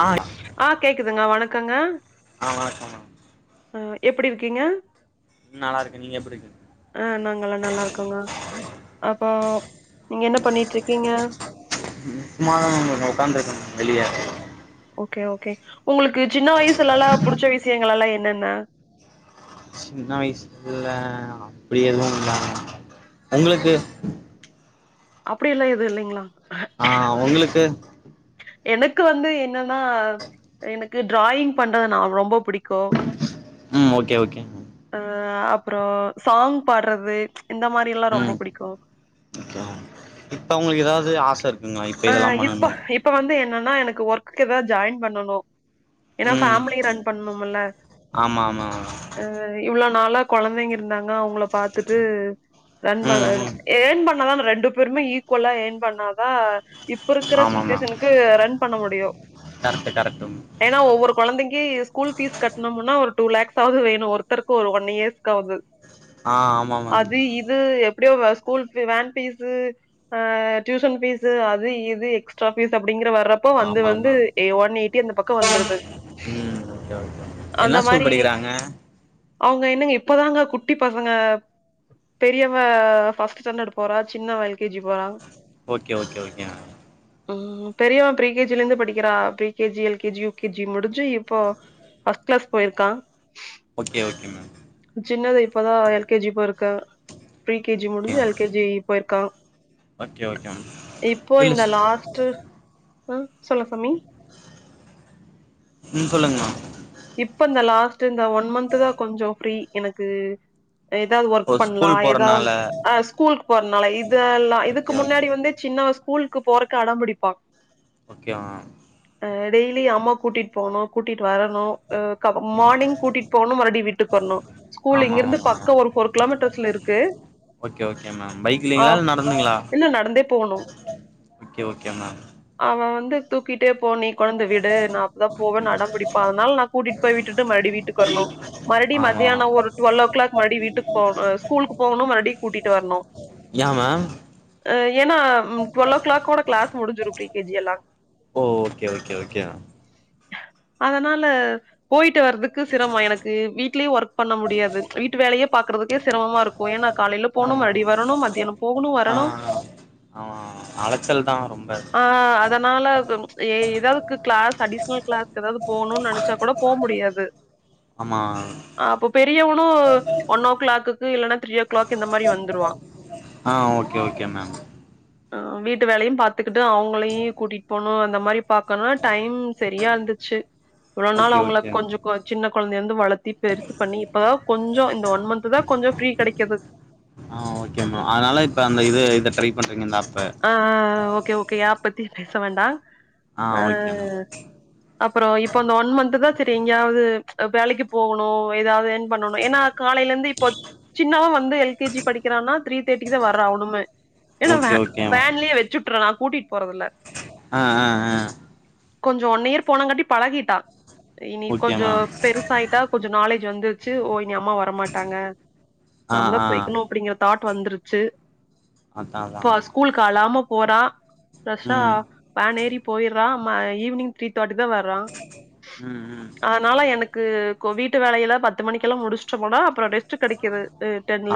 ஆ ஆ கேக்குதுங்க வணக்கங்க ஆ வணக்க மேம் ம் எப்டி இருக்கீங்க நல்லா இருக்க நீங்க எப் ஆ நாங்கெல்லா நல்லா இருக்கோங்க அப்போ நீங்க என்ன பண்ணிட்ருக்கீங்க சும்மாதா மேம் உக்காந்துருக்க மேம் வெளிய ஓகே ஓகே உங்களுக்கு சின்ன வயசுலல்லா புடிச்ச விஷயங்களளா என்னென்ன சின்ன வயசுல அப்டி எதுவு இல்லங்க உங்களுக்கு அப்டி எல்லா எது இல்லைங்ளா ஆ உங்களுக்கு எனக்கு வந்து என்னன்னா எனக்கு டிராயிங் பண்றது நா ரொம்ப புடிக்கு ம் ஓகே ஓகே ம் அ அப்புற சாங் பாட்றது இந்த மாரி எல்லா ரொம்ப புடிக்கு இருக்கலா இப்ப உங்களுக்கு ஏதாவது ஆச இருக் ஆ இப்ப இப்ப வந்து என்னனா எனக்கு ஒர்க் தா ஜாயின் பண்ணனு ஏனா ம் ஃபேமிலிய ரன் பண்ணும்மில்ல ஆமா ஆமா ஆ இவ்ளோ நாளா கொழந்தைங்க இருந்தாங்க அவுங்கள பாத்துட்டு ரன் பண்ண ம் ம் ஏன் பண்ணாதா ரெண்டு பேருமே ஈக்குவலா ஏன் பண்ணாதா இப்பருக்ற ஆமா மேம் சுச்சுவேஷன்க்கு ரன் பண்ண முடியு கரெக்ட்டு கரெக்ட்டு ஏனா ஒவ்வொரு கொழந்தைக்கி ஸ்கூல் பீஸ் கட்னும்முனா ஒரு டூ லேக்ஸாவது வேணு ஒருத்தருக்கு ஒரு ஒன் இயர்ஸ்காவது [inaudible] ஆமா மேம் அது இப் இது எப்டியோ வ ஸ்கூல் வேன் ஃபீஸு டியூஷன் அ ஃபீஸ் து அது இது எக்ஸ்ட்ரா பீஸ் அப்டிங்கற வர்ரப் போ வந்து ஆமா வந்து மேம் ஏ ஒன் எயிட்டி அந்த பக்கோ வந்துர்து ம் ஓகே ஓகே அந்த என்ன ஸ்கூல் மாரி படிக்கிறாங்க அவுங்க என்னங்க இப்பதாங்க குட்டி பசங்க பெரியவ ஃபர்ஸ்ட் ஸ்டாண்டர்ட் போறா சின்னவன் எல் கே ஜி போறான் okay okay okay ம் பெரியவன் ப்ரீ கே ஜிலருந்து படிக்கிறான் pre K G L K G U K G முடிஞ்சு இப்போ ஃபஸ்ட் கிளாஸ் போயிருக்கான் okay okay ma'am சின்னவ இப்பதான் எல் கே ஜி போய்ருக்கா ப்ரீ கேஜி ஓகே முடிஞ்சு எல் கே ஜி போயிருக்கான் ஓகே ஓ கே ம் இப்போ இந்த லாஸ்ட் ஹ சொல்லு சமி ம் சொல்லுங்கமா இப்ப இந்த லாஸ்ட் இந்த ஒன் மந்த் தா கொஞ்சம் ஃப்ரீ எனக்கு எதாது ஒர்க் ஓ ஸ்கூல் பண்லாம் எதாது போறனால அ ஸ்கூலுக்கு போறதுனால இதுல்லாம் ஓகே இதுக்கு முன்னாடி ஓகே வந்து சின்னவன் ஸ்கூல் க்கு போறக்கு அடம்புடிப்பான் ஓ கே மேம் ஆ டெய்லி அம்மா கூட்டிட்டு போகனும் கூட்டிட்டு வரணும் அ ம் மார்னிங் கூட்டிட்டு போகணும் மறுபடி வீட்டுக்கு வரணு ஸ்கூல் ஆமா இங்கிருந்து ஆமா ஆமா பக்கம் ஒரு ஃபோர் கிலோமீட்டர்ஸ்ல இருக்கு ஓகே ஓகே மேம் ஆ பைக்லிங்ளா இல்ல நடந்துங்ளா இல்ல நடந்தே ஓகே ஓகே மேம் அவன் வந்து தூக்கிட்டே போ நீ கொன்னந்து விடு நா அப்பதா போவன்னு ம் அடம் பிடிப்பா அதனால நா கூட்டிட்டு போய் விட்டுட்டு மறுபடியு வீட்டுக்கு வரனு மறுடி ஆமா மத்தியானோ ஒரு டுவல் ஓ கிளாக் மறுடி வீட்டுக்கு போகனோ ஸ்கூலுக்கு போகனோ மறுடி கூட்டிட்டு வரனு ஏன் மேம் ஹ ஏனா டுவெல்லோ ஓ கிளாக்கோட கிளாஸ் முடிஞ்சிடு ப்ரீ கே ஜி எல்லாம் ஓ okay okay okay அதனால போயிட்டு வர்றதுக்கு சிரமம் எனக்கு வீட்லயும் ஒர்க் பண்ண முடியாது வீட்டு வேலையே பாக்குறதுக்கே சிரமமா இருக்கும் ஏன்னா காலையில ஆ போணும் மறுபடி வரணும் மத்தியானம் போகணும் ஆ வரணும் ஆ அலச்சல் தான் ரொம்ப ஆ அதனால ஏதாவது கிளாஸ் அடிஷனல் கிளாஸ் ஏதாவது போகணும்னு நெனைச்சா கூட போ முடியாது ஆமா அ அப்ப பெரியவனும் ஒன் ஓ கிளாக்கு இல்லனா திரியோ ஆ okay okay ma'am ஆ வீட்டு வேலயும் பாத்துக்கிட்டு அவுங்களையும் கூட்டிட்டு போனும் அந்த மாறி பாக்கனு டைம் சரியாருந்துச்சு இவ்ளோ நாள் ஓகே அவுங்க ஓகே கொஞ்சம் சின்ன குழந்தைலருந்து வளத்தி பெருசு பண்ணி இப்பதா கொஞ்சம் இந்த ஒன் மந்த் தா கொஞ்சம் ஃப்ரீ கிடைக்கிது ஆ ஓ கே மா அதனால இப்ப அந்த இது இத ட்ரை பண்றீங்க இந்த ஆப்ப ஆ okay okay app பத்தி பேச வேண்டாம் ஆ ஓகே மேம் அப்பறோ இப்ப அந்த ஒன் மந்த்த்து தா சரி எங்கயாவது வேலைக்கு போனு ஏதாவது என் பண்ணனோ ஏன்னா காலையில இருந்து இப்போ சின்னவன் வந்து எல் கே ஜி படிக்கிறான்னா த்ரீ தேர்ட்டிக்கு தா வர்றா அவனுமே ஏன்னா வே ஓகே ஓகே மேம் வேன்லயே வெச்சு உட்டுற நா கூட்டிட்டு போறதுல்ல அ அ அ கொஞ்சோ ஒன் இயர் போனங்காட்டி பழகிட்டா இனி ஓகே கொஞ்சோ மேம் பெருசாயிட்டா கொஞ்சோ நாலேஜ் வந்துருச்சு ஓ இனி அம்மா வரமாட்டாங்க ஆ நாம தா ஆ போய்க்கனோ அப்டிங்ற தாட் வந்துருச்சு அதா அதா ஸ்கூல்க்கு அழாம போறா ஃப்ரெஷ்ஷா ம் வேனேரி போய்றா ம ஈவினிங் த்ரீ தேர்ட்டிதா வர்றா ம் ம் அதனால எனக்கு கொ வீட்டு வேலையில்லா பத்து மணிக்கெல்லா முடிச்சுட்டோமனா அப்றோ ரெ ஸ்ட்டு கெடைக்குது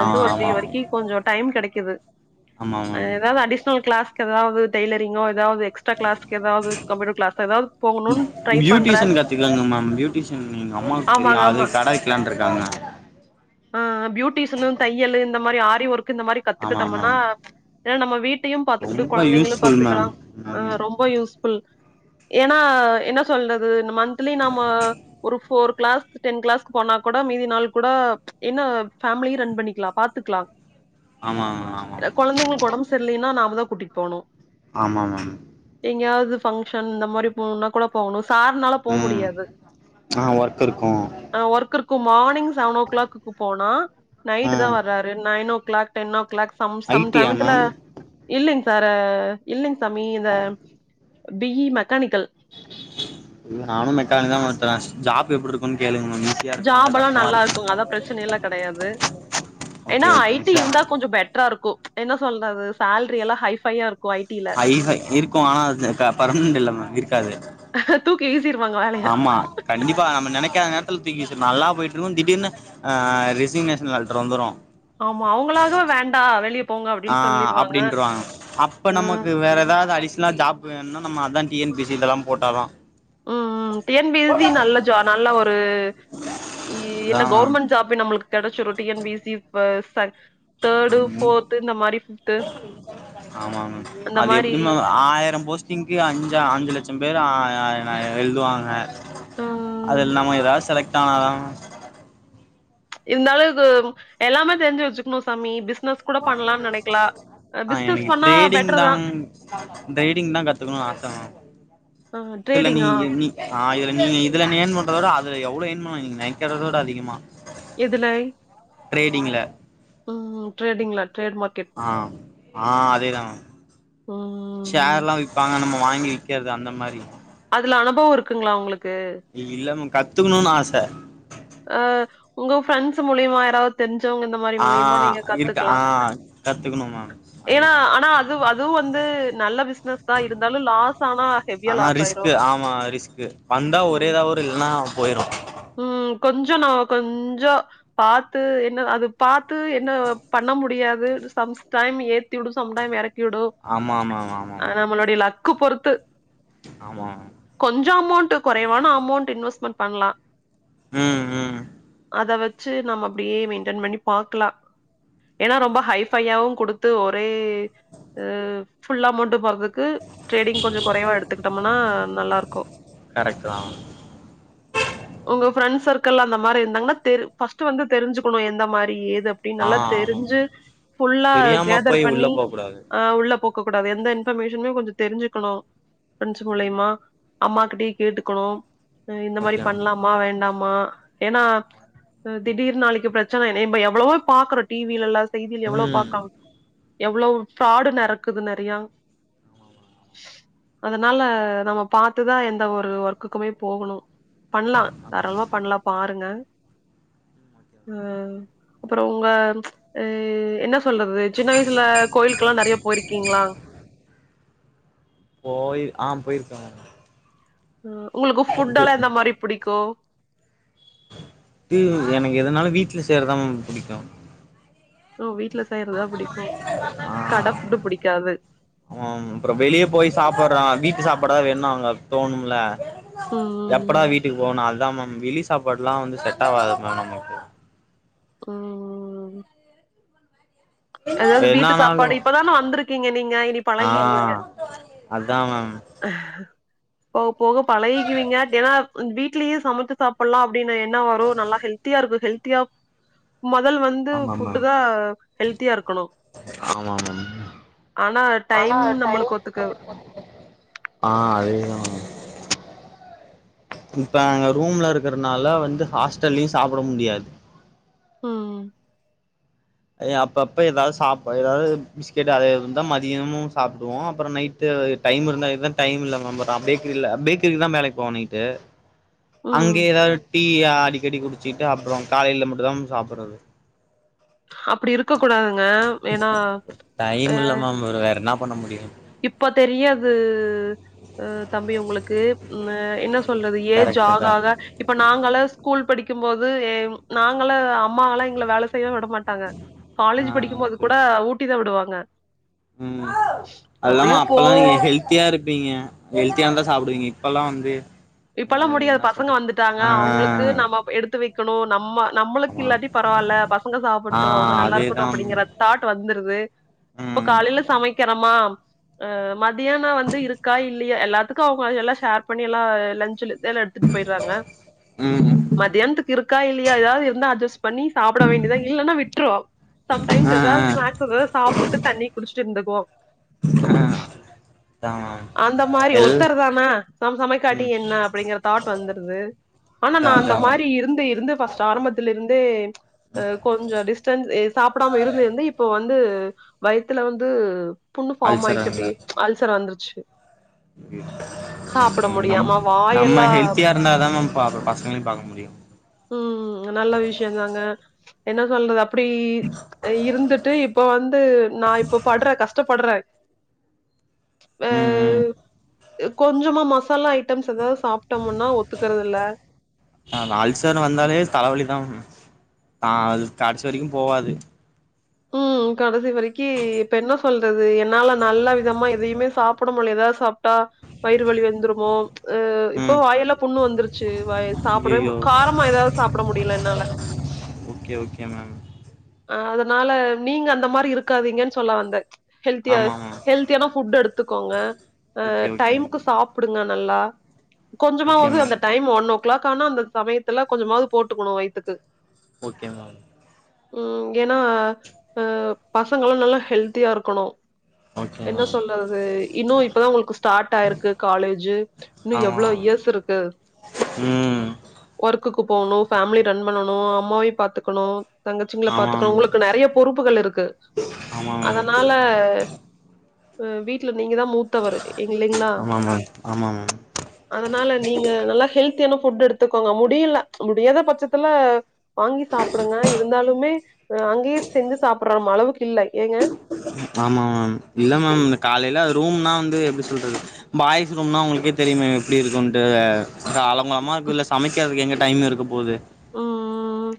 ஆ ஒரு த்ரீ ஆமா வரைக்கி கொஞ்சோ டைம் கெடைக்குது ஆமா அ மேம் ஏதாவது அடிஷனல் கிளாஸ்க்கு ஏதாவது டெய்லரிங்கோ ஏதாவது எக்ஸ் ட்ரா கிளாஸ்க்கு ஏதாவது கம்ப்யூட்டர் க்ளாஸ் ஏதாது போகணுனு ட்ரை பண்றே ம் எங்க அம்மாக்கு தெரியு ஆமாங்க அது ஆமா கட வெக்ல்லான்ட்டு இருக்காங்க ஆ பியூட்டிஷனு தையல்லு இந்த மாரி ஆரி ஒர்க்கு இந்த மாரி ஆமா கத்துக்கிட்டோமனா மேம் ஏன்னா நம்ம வீட்டையு பாத்துக்கிட்டு ரொம்ப கொழந்தைங்களு யூஸ்ஃபுல் பாத்துக்கலா மேம் அ எல்லாமே ரொம்ப யூஸ்ஃபுல் ஏன்னா என்ன சொல்றது மன்த்லி நம்ம ஒரு ஃபோர் க்ளாஸ் டென் க்ளாஸ்க்கு போனா கூட மீதி நாள் கூட என்ன ஃபேமிலியு ரன் பண்ணிக்கலா பாத்துக்கலா ஆமா மேம் ஆமா மேம் தெர்லைன்னா நாமதா கூட்டிட் போனு ஆமா மேம் எங்கயாவது ஃபங்க்ஷன் இந்த மாரி போனுனா கூட போகனு சார்னாலு போ ம் முடியாது ஆ ஒர்க் இருக்கு அ ஒர்க் இருக்கு மார்னிங் செவன் ஓ க்ளாக்குக்கு போனா நைட்டுதா ம் வர்றாரு nine o'clock ten o'clock some I some D time yeah ma'am இல்லைங் சார இல்லைங் சாமி இந்த பி இ மெக்கானிக்கல் நானு மெக்கானிக்தா மேம் எடுத்தே ஜாப் எப்டி இருக்கு கேளுங்க மேம் ஈஸியா இருக்குமா இல்ல ஜாப் எல்லா கஷ்டமா நல்லா இருக்குங் இருக்குமா அதா ப்ரச்சன எல்லா கெடையாது ஏன்னா okay okay I ma'am T sir இருந்தா கொஞ்ச பெட் ரா இருக்கு என்ன சொல்றது சேல்ரி எல்லா ஹைஃபையா இருக்கு ஹய்ஃபை இருக்கு ஆனா அது பர்மனன்ட் இல்ல மேம் இருக்காது தூக்கி வீசிடுவாங்க வேலையா ஆமா கண்டிப்பா நம்ம நெனைக்காத நேரத்துல தூக்கி வீசுரு நல்லா போயிட்டு இருக்கு திடீர்னு அ அ ரிசிங் நேஷனல் லெட்ரு வந்துரு ஆமா அவுங்களாகவ வேண்டா வெளிய போங்க ஆ அப்படின்னு சொல்லிருவாங்க. அப்டின்றவாங்க அப்ப ம். நமக்கு வேற ஏதாது அடிஷ்னலா ஜாப் இப்ப என்ன நம்ம அதா டி என் பி சிக்கெல்லா போட்டாதா ம் ம் T N P S C நல்ல ஜா நல்ல ஒரு அதா என்ன கவுர்மெண்ட் ஜாபே நம்ளுக்கு கெடச்சிரு டி என் பி சி வ ச தேர்டு மேம் ம் ஃபோர்த்து இந்த மாரி ஃபிஃப்த்து ஆமா மேம் அது எப்டி மேம் ஆயிர போஸ் டிங்கு அஞ்ச அஞ்சு லட்சோ பேர் அ எழுதுவாங்க ம். அதுல நம்ம ஏதாது செலக்ட் ஆனாதா மேம் இருந்தாலு இது எல்லாமே தெரிஞ்சு வச்சுக்கணு சாமி பிசினஸ் கூட பண்லானு நெனைக்கலா அ எனக்கு ட்ரேடிங்தா ட்ரேடிங்தா கத்துக்கணுனு ஆச மேம் அ இதுல நீ ட்ரேடிங்கா? நீ அ இதுல நீங்க இதுல நீங்க ஏன் பண்றதோட அதுல எவ்ளோ ஏன் பண்ணலா நீங்க நெனைக்கறதோட அதிகமா எதுலை ட்ரேடிங்ல ம் ட்ரேடிங்ல ட்ரேட் மார்க்கெட் ஆ ஆ அதேதா மேம் ஓ ஷேர்ல்லா விப்பாங்க நம்ம வாங்கி விக்கறது அந்த மாறி அதுல அனுபவொ இருக்குங்ளா உங்குளுக்கு இல்ல மேம் கத்துக்குணுன்னு ஆச அ உங்க ஃப்ரெண்ட்ஸ் மூலியமா யாராவது தெரிஞ்சவங்க இந்த மாறி ஆ மூலியமா நீங்க இருக்கு கத்துக்கலா ஆ கத்துக்கணு மேம் ஏன்னா அதேதா ஆனா அது அதுவு வந்து நல்ல பிஷ் னஸ்சா இருந்தாலு லாஸ் ஆனா ஹெவியா ஆனா லாஸ் ரிஸ்க்கு ஆயிரும் ஆமா ரிஸ்க்கு வந்தா ஒரே தா வரு இல்லன்னா போயிரும் உம் கொஞ்சோ நா கொஞ்சோ பாத்து என்ன அது பாத்து என்ன பண்ண முடியாது சம்ஸ்டைம் ஏத்திவுடு சம்டைம் எறக் கிவுடு ஆமா ஆமா ஆமா ஆமா ஆ மேம் நம்மளுடைய லக்கு பொறுத்து ஆமா கொஞ்சோ அமௌண்ட்டு குறைவான அமௌண்ட்டு இன்வெஸ்ட்மெண்ட் பண்லா உம் உம் அத வெச்சு நம்ம அப்டியே மெயின்டன் பண்ணி பாக்கலா ஏன்னா ரொம்ப ஹைஃபையாவு குடுத்து ஒரே ஃபுல் அமௌண்ட்டும் போறதுக் கு ட்ரேடிங் கொஞ்சோ குறைவா எடுத்துக்கிட்டம்னா நல்லா இருக்கு கரெக்ட் தா உங்க ஃப்ரெண்ட்ஸ் சர்க்கிள் அந்த மாறி இருந்தாங்கன்னா தெரி ஃபர்ஸ்ட் வந்து தெரிஞ்சுக்கணு எந்த மாறி எது அப்டி ஆ நல்லா ஆமா தெரிஞ்சு மேம் ஃபுல்லா தெரியாம கேதர் போய் உள்ள பண்ணி போக்கூடாது ஆ உள்ள போக்க கூடாது எந்த இன்பர்மேஷனயு கொஞ்சோ தெரிஞ்சுக்கணு ஃப்ரெண்ட்ஸ் ம் மூலியமா அம்மா கிட்டயு கேட்டுக்கணு அ இந்த மாறி ஓகே அம்மா வேண்டாமா ஏன்னா மேம் திடீர்ன்னு நாளைக்கு பிரச்சன எ என்ன எவ்வளவோ பாக்குறோ டி வி ல எல்லா செய்திய எவ்ளோ ம் பாக்கா எவ்லோ ஃப்ராடு நடக்குது நெறையா அதனால நம்ம பாத்துதா எந்த ஒரு ஒர்க்குக்குமே போகணு பண்லா தாராளமா பண்லா பாருங்க த அப்றோ உங்க அ என்ன சொல்றது சின்ன வயசுல கோயிலுக்கெல்லா நெறையா போயிருக்கீங்ளா போயில் ஆ போயிருக்க மேம் ம் உங்களுக்கு ஃபுட்டெல்லா எந்த மாறி புடிக்கும் து எனக்கு எதுனாலு வீட்ல செய்யறதா மேம் புடிக்கும் ஓ வீட்ல செய்யறதுதா புடிக்கும் கடை ஃபுட்டு புடிக்காது ஆமா மேம் அப்றோ வெளிய போயி சாப்பட்றோ வீட்டு சாப்பாடு தா வேணும் அங்க தோணும்ல்ல ம் எப்படா ம் வீட்டுக்கு போவோன்னு அத்தா மேம் வெளி சாப்பாடு எல்லா வந்து செட் ஆவாது மேம் நமக்கு உம் ஏதாவது வீட்டு என்னானாலு சாப்பாடு இப்பதானே வந்திருக்கீங்க நீங்க இனி பழகிருவீங்க அத்தா மேம் போவ போவ பழகிக்குவீங்க தெனாவு அந் வீட்லயே சமைச்சி சாப்பிட்லா அப்டின்னு எண்ணம் வரும் நல்லா ஹெல்த்தியா இருக்கும் ஹெல்த்தியாவு மொதல் வந்து ஆமா ஃபுட்டு் மேம் தா ஹெல்த்தியா இருக்கணு ஆமா மேம் ஆனா ஆனா டைம் நம்பளுக்கு ஒத்துக்காது நம்மளுக்கு ஆ அதேதா இப்ப நாங்க ரூம்ல இருக்கறனால வந்து ஹாஸ்டல்லயு சாப்ட முடியாது உம் ஏ அப்பப்ப ஏதாவது சாப்ப ஏதாவது பிஸ்கெட் அதே இருந்தா மதியமு சாப்புடுவோ அப்றோ நைட் து டைம் இருந்தா இதா டைம் இல்ல மேம் பேக்கிரில பேக்கிரில தா வேலைக்கு போவ நைட்டு ம் அங்கே ஏதாவது டீ அடிக்கடி குடிச்சிட்டு அப்றோ காலையில மட்டுந்தா மேம் சாப்பிடுறது அப்டி இருக்க கூடாதுங்க ஏன்னா அ டைம் இல்ல மேம் வேற என்ன பண்ண முடியு இப்ப தெரியாது ஆ தம்பி உங்களுக்கு ஆ என்ன சொல்றது ஏஜ் கரெக்ட்டு ஆக தா ஆக இப்ப நாங்கள்லா ஸ்கூல் படிக்கும் போது ஏ நாங்களா அம்மாங்கல்லா எங்கள வேல செய்ய விட மாட் டாங்க காலேஜ் ஆ படிக்கும்போது ஓகே கூட ஊட்டி தா விடுவாங்க ம் அது வந்து அப்டியே அப்பெல்லா போவோ எங்க ஹெல்த் தியா இருப்பீங்க ஹெல்த்தியா இருந்தா சாப்டுவீங்க இப்பெல்லா வந்து இப்பெல்லா அ முடியாது என்ன பசங்க சொல்றது வந்துட்டாங்க அவுங்களுக்கு ஆ நம்ம எடுத்து வக்கணு நம்ம நம்மளுக்கு ஆமா இல்லாட்டி பரவாயில்ல பசங்க ஆ சாப்பாட்டு அவுங்க நல்லா அதேதா இருக்கட்டு அப்டிங்கற தாட் வந்துருது இப்ப ம் காலையில சமைக்கிறமா ஆ மதியான வந்து இருக்கா இல்லையா எல்லாத்துக்கு அவுங்க எல்லா ஷேர் பண்ணி எல்லா லஞ்சுல இதல்லா எடுத்துட்டு போயிட்றாங்க ம் மத்யானத்துக்கு இருக்கா இல்லையா ஏதாது இருந்தா அட்ஜஸ்ட் பண்ணி சாப்ட வேண்டியதா இல்லன்னா விட்றோ சம்டைம்ஸ் ஆ ஏதாவது ஆ ஸ்நாக்ஸ் ஏதாது சாப்புட்டு தண்ணி குடிச்சிட்டு இருந்துக்குவோ ஆ அதா மேம் அந்த மாரி எல் ஒருத்தர் தான நம்ம சமைக்காட் ம் டி என்ன அப்டிங்கிற தாட் வந்துருது ஆனா அதா நா அந்த அதா மேம் மாரி இருந்து இருந்து ஃபஸ்ட் ஆரம்பத்துலுருந்தே ஆ கொஞ்ச டிஸ்டன்ஸ் ஏ சாப்டாம இருந்து இருந்து இப்போ வந்து வயித்துல வந்து புன்னு ஃபாம் ஆயிடுச்சு அப்டி அல்சராங்களா அல்சர் வந்துருச்சு சாப்ட ம் நம் முடியாம நம்ம வாயெல்லா ஹெல்த்தியா இருந்தா தா மேம் பாக்க பசங்களையு பாக்க முடியு ம் நல்ல விஷய தாங்க என்ன சொல்றது அப்டி இருந்துட்டு இப்ப வந்து நா இப்ப பட்ற கஷ்டப்பட்ற ஆ ம் ம் கொஞ்சமா மஸ் மசாலா ஐட்டம்ஸ் எதாவது சாப்ட்டோம்ன்னா ஒத்துக்கறதில்ல ஆ அல்சர்னு வந்தாவே தலைவலி தா மேம் ஆ அது கடசி வரைக்கும் போவாது ம் கடைசி வரைக்கி இப்ப என்ன சொல்றது என்னால நல்ல விதமா எதையுமே சாப் புட முட்ல ஏதாது சாப்ட்டா வயிறு வலி வந்துருமோ ஆ இப்போ ம் வாயெல்லா புண்ணு வந்துருச்சு வாய சாப்புடவே ஐயையோ காரமா ஏதாவது சாப்புட முடியல என்னால என்ன ஆ அதனால நீங்க அந்த மாரி இருக்காதீங்கன்னு சொல்ல வந்த ஹெல்த்தியா ஆமா மேம் ஹெல்த்தியான ஃபுட் எடுத்துக்கோங்க ஆ ஓகே ஓகே மேம் டைமுக்கு சாப் டுங்க நல்லா ஓகே கொஞ்சமாவது அந்த மேம் டைம் ஒன்னு கிளாக் ஆனா அந்த சமயத்துல கொஞ்சமாவது போட்டுக்கணு வயித்துக்கு ஓகே மேம் ம் ஏன்னா ஆ பசங்களு நல்லா ஹெல்தியா இருக்கணு ஓகே என்ன மேம் சொல்றது இன்னு இப்பதா உங்களுக்கு ஸ்டார்ட் ஆயிருக்கு காலேஜு இன்னு ஆமா எவ்வளோ இயர்ஸ் இருக்கு ம் ஒர்க்குக்கு போவுணு ஃபேமிலி ரன் பண்ணணு அம்மாவையு பாத்துக்கணு தங்கச்சிங்கள ஆமா பாத்துக்க மேம் உங்களுக்கு நெறைய பொறுப்புகள் இருக்கு ஆமா மேம் அதனால ஆ வீட்ல நீங்கதா மூத்தவரு இல்லிங்களா ஆமா மேம் ஆமா மேம் அதனால நீங்க நல்லா ஹெல்த்தியான ஃபுட் எடுத்துக்கோங்க முடியல முடியாத பட்சத்துல வாங்கி சாப்பிடுங்க இருந்தாலுமே அங்கேயே செஞ்சு சாப்டுற நம்ம அளவுக்கு இல்ல ஏங்க ஆமா மேம் இல்ல மேம் இந்த காலையில அது ரூம்னா வந்து எப்டி சொல்றது பாய்ஸ் ரூம்னா உங்களுக்கே தெரியுமே எப்டி இருக்குட்டு காலப் உங்க அம்மாவுக்கு ல சமைக்கிறதுக்கு எங்க டைம்‌ இருக்க போது ம்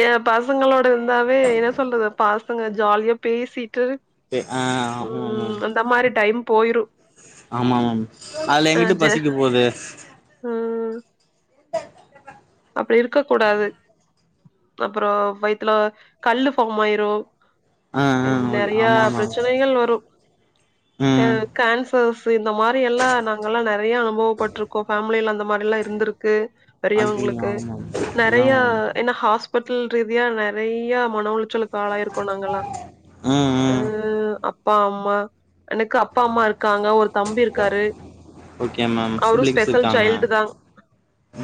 ஏ பசங்களோட இருந்தாவே என்ன சொல்றது பா சங்க ஜாலியா பேசிட்டு ஆ ஆமா ம் மேம் அந்த மாரி டைம் போயிரு ஆமா மாம் அதுல அ எங்கிட்டு ஜ பசிக்க போது ம் அப்டி இருக்க கூடாது அப்பறோ வயித்துல கல்லு ஃபாம் ஆயிரு ஆ ஆ ஓகே நெறையா ஆமா மேம் பிரச்சனைகள் வரு அ ம் கேன்சர்ஸ் இந்த மாரி எல்லா நாங்கலா நெறையா அனுபவப்பட்ருக்கோ ஃபேமிலில அந்த மாரிலா இருந்திருக்கு ஐயயோ பெரியவுங்களுக்கு ஆமா மேம் அதா நெறையா மேம் என்ன ஹாஸ்பிட்டல் ரீதியா நெறையா மன உளைச்சலு ஆளாயிருக்கோ நாங்களா ம் அ ம் அப்பா அம்மா எனக்கு அப்பா அம்மா இருக் காங்க ஒரு தம்பி இருக்காரு ஓகே மேம் அவரு சிப்லிங்ஸ் ஸ்பெஷல் இருக்காங்க சைல்டு தா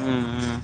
ம் ம்